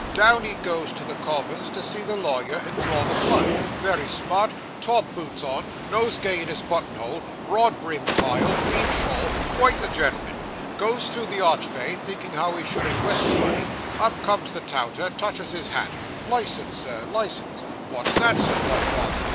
Down he goes to the Commons, to see the lawyer and draw the blunt very smart top boots on nosegay in his button hole broad brimmed tile green shawl quite the gen'l'm'n. Goes through the archvay, thinking how he should inwest the money up comes the touter, touches his hat "Licence, Sir, licence?" "What's that?" says my father.